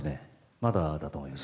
まだだと思います。